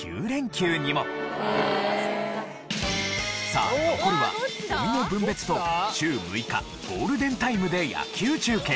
さあ残るはゴミの分別と週６日ゴールデンタイムで野球中継。